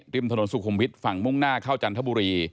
ริมถนนสุขุมวิทย์ฝั่งมุ่งหน้าเข้าจันทบุรี